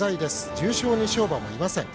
重賞２勝馬もいません。